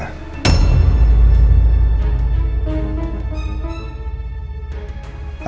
paket makanan buat bu andin